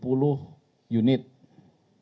kemudian rumah yang rusak sedang